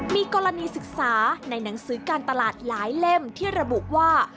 มีกรณีศึกษาในหนังสือการตลาดหลายเล่มที่ระบุว่า